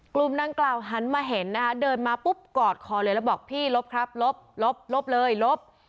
กลุ่มนางกล่าวหันมาเห็นนะคะเดินมาปุ๊บกอดคอเลยแล้วบอกพี่ลบครับลบลบเลยลบ